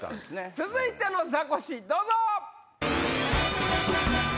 続いてのザコシどうぞ！